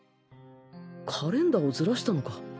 カレンダーをずらしたのか？